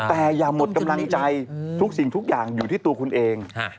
แต่อย่าหมดกำลังใจทุกสิ่งทุกอย่างอยู่ที่ตัวคุณเอง